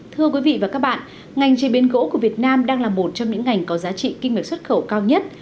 thưa quý vị và các bạn ngành chế biến gỗ của việt nam đang là một trong những ngành có giá trị kinh ngạch xuất khẩu cao nhất